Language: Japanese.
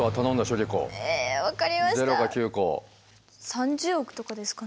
３０億とかですかね？